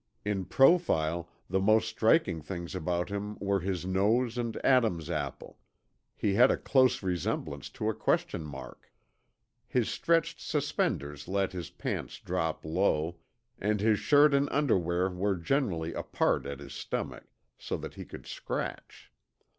In profile the most striking things about him were his nose and Adam's apple; he had a close resemblance to a question mark. His stretched suspenders let his pants drop low, and his shirt and underwear were generally apart at his stomach, so that he could scratch.